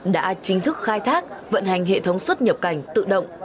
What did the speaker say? đã chính thức khai thác vận hành hệ thống xuất nhập cảnh tự động